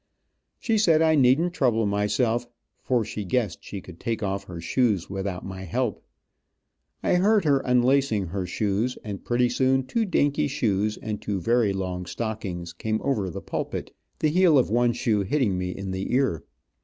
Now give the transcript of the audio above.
She said I needn't trouble myself, as she guessed she could take off her shoes without my help. I heard her unlacing her shoes, and pretty soon two dainty shoes and two very long stockings, came over the pulpit, the heel of one shoe hitting me in the ear.